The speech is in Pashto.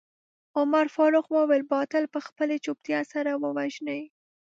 عمر فاروق وويل باطل په خپلې چوپتيا سره ووژنئ.